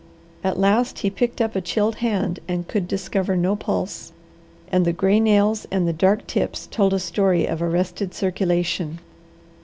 At last he picked up a chilled hand and could discover no pulse, and the gray nails and the dark tips told a story of arrested circulation.